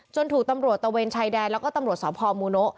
ถูกตำรวจตะเวนชายแดนแล้วก็ตำรวจสพมูโนะ